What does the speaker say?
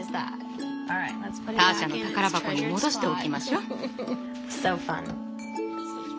ターシャの宝箱に戻しておきましょ。